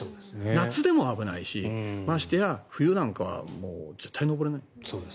夏でも危ないしましてや冬なんかは絶対登れない。